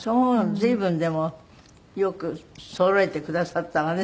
随分でもよくそろえてくださったわね